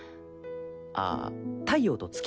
ああ太陽と月？